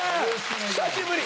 久しぶり！